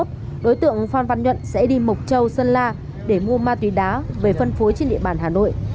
đối tượng phan văn nhuận sẽ đi mộc châu sơn la để mua ma túy đá về phân phối trên địa bàn hà nội